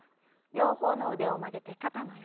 両方の腕を曲げて肩の横。